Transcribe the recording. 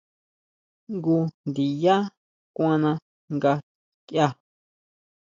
Jngu ndiyá kuana nga kia.